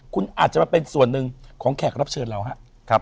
คุณอาจจะมาเป็นส่วนหนึ่งของแขกรับเชิญเราครับ